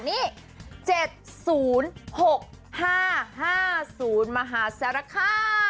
นี่๗๐๖๕๕๐มหาแซรฟค่ะ